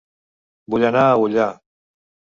Vull anar a Ullà